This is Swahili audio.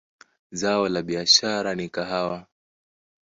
Zao la biashara ni kahawa.